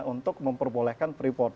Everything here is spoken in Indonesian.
untuk memperbolehkan freeport